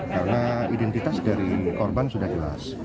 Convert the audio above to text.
karena identitas dari korban sudah jelas